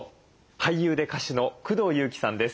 俳優で歌手の工藤夕貴さんです。